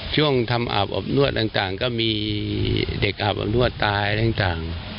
ช่วงทำอาบอบนวดต่างก็มีเด็กอาบอบนวดตายอะไรต่าง